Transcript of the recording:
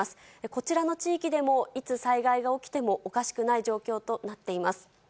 こちらの地域でもいつ災害が起きてもおかしくない状況となっています。